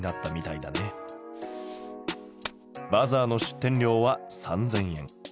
バザーの出店料は３，０００円。